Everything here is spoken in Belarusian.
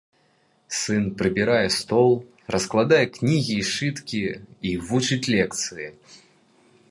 Сын прыбірае стол, раскладае кнігі і сшыткі і вучыць лекцыі.